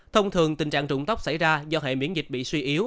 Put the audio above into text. thông thường tình trạng trụng tóc xảy ra do hệ miễn dịch bị suy yếu